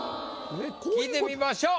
聞いてみましょう。